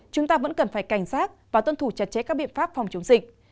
chúng ta vẫn cần phải cảnh sát và tuân thủ chặt chẽ các biện pháp phòng chống dịch